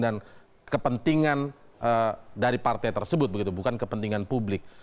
dan kepentingan dari partai tersebut begitu bukan kepentingan publik